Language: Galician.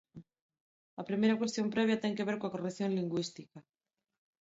A primeira cuestión previa ten que ver coa corrección lingüística.